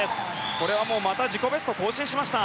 これはまた自己ベストを更新しました。